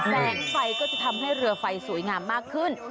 แสงไฟก็จะทำให้เรือไฟสวยงามมากขึ้น